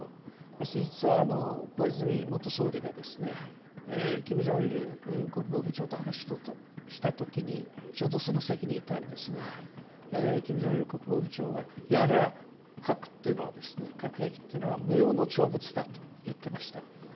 私、実は小泉元総理がキム・ジョンイル国防部長と話をしたときに、ちょうどその席にいたんですが、キム・ジョンイル国防部長は、あれは、核っていうのは、核兵器っていうのは無用の長物だと言っていました。